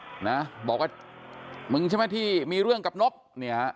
นะบอกว่ามึงใช่ไหมที่มีเรื่องกับนบเนี่ยฮะ